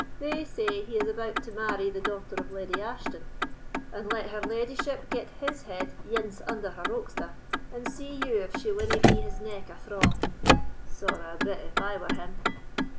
"They say he is about to marry the daughter of Leddy Ashton; and let her leddyship get his head ance under her oxter, and see you if she winna gie his neck a thraw. Sorra a bit, if I were him!